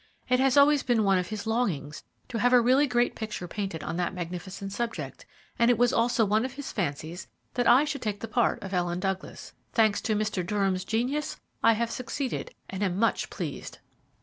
It has always been one of his longings to have a really great picture painted on that magnificent subject, and it was also one of his fancies that I should take the part of Ellen Douglas. Thanks to Mr. Durham's genius, I have succeeded, and am much pleased."